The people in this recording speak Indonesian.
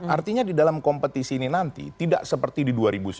artinya di dalam kompetisi ini nanti tidak seperti di dua ribu sembilan belas